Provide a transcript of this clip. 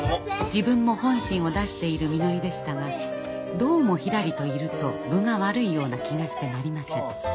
自分も本心を出しているみのりでしたがどうもひらりといると分が悪いような気がしてなりません。